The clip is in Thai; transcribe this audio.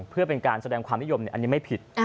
เพื่อเป็นการแสดงความนิยมอันนี้ไม่ผิด